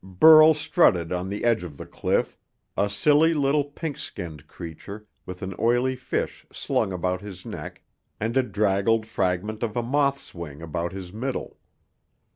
Burl strutted on the edge of the cliff, a silly little pink skinned creature with an oily fish slung about his neck and a draggled fragment of a moth's wing about his middle.